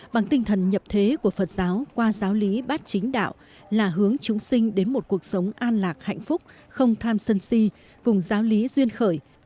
bằng tinh thần nhập thế của phật giáo qua giáo lý bát chính đạo là hướng chúng sinh đến một cuộc sống an lạc hạnh phúc không tham sân si cùng giáo lý duyên khởi